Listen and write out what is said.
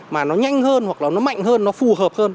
mà nó nhanh hơn hoặc là nó mạnh hơn nó phù hợp hơn